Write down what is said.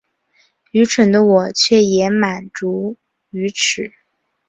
愚蠢的我却也满足於此